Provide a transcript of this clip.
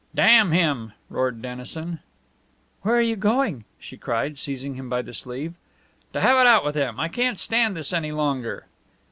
"Damn him!" roared Dennison. "Where are you going?" she cried, seizing him by the sleeve. "To have it out with him! I can't stand this any longer!"